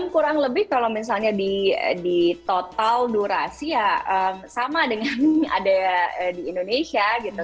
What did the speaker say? kurang lebih kalau misalnya di total durasi ya sama dengan ada di indonesia gitu